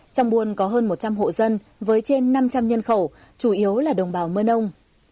trong buôn có hơn một trăm linh hộ dân với trên năm trăm linh nhân khẩu chủ yếu là đồng bào mơ ông